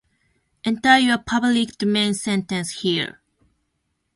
Enter your public domain sentence here